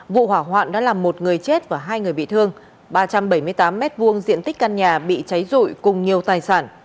vụ hỏa hoạn đã làm một người chết và hai người bị thương ba trăm bảy mươi tám m hai diện tích căn nhà bị cháy rụi cùng nhiều tài sản